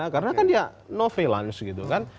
karena kan ya no freelance gitu kan